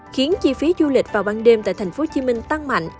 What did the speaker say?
khiến chi phí du lịch vào ban đêm tại thành phố hồ chí minh tăng mạnh